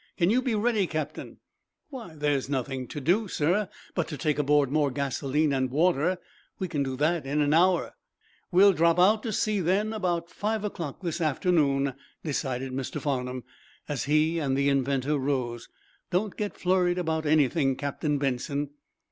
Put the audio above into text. Can you be ready, Captain?" "Why, there's nothing to do, sir, but to take aboard more gasoline and water. We can do that in an hour." "We'll drop out to sea, then, about five o'clock this afternoon," decided Mr. Farnum, as he and the inventor rose. "Don't get flurried about anything, Captain Benson."